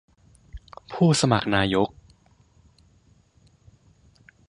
ผู้สมัครนายก